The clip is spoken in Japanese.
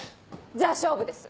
じゃあ勝負です。